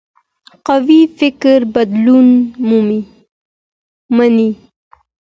قوي فکر بدلون مني